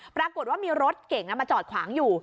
ปรากฏว่ามีรถเก่งมาจอดขวางอยู่